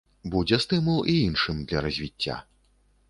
Будзе стымул і іншым для развіцця.